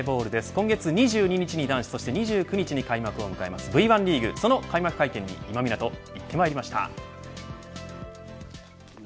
今月２２日に男子そして２２日に開幕を迎えるＶリーグその開幕会見に今湊、行ってまいりました。